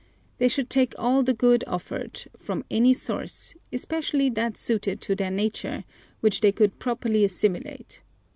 They should take all the good offered, from any source, especially that suited to their nature, which they could properly assimilate.